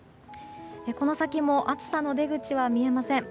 この先も暑さの出口は見えません。